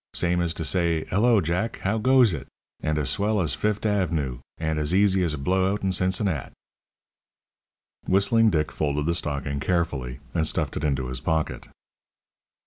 Same as to say, 'Hello, Jack, how goes it?' and as swell as Fift' Av'noo, and as easy as a blowout in Cincinnat." Whistling Dick folded the stocking carefully, and stuffed it into his pocket.